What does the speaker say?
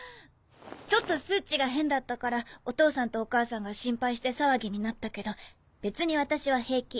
ちょっと数値が変だったからお父さんとお母さんが心配して騒ぎになったけど別に私は平気。